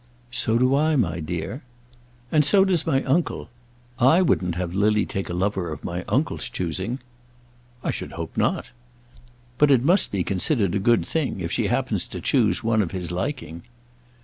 "So do I, my dear." "And so does my uncle. I wouldn't have Lily take a lover of my uncle's choosing." "I should hope not." "But it must be considered a good thing if she happens to choose one of his liking."